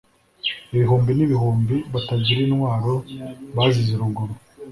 ibihumbi n'ibihumbi batagira intwaro bazize urugomo